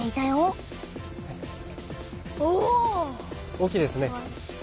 大きいですね。